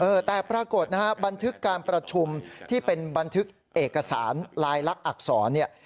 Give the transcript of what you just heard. เออแต่ปรากฏนะฮะบันทึกการประชุมที่เป็นบันทึกเอกสารลายลักษณ์อักษรเนี่ย